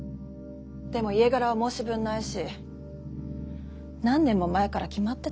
でも家柄は申し分ないし何年も前から決まってたの。